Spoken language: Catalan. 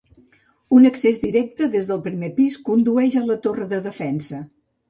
Un accés directe des del primer pis condueix a la torre de defensa.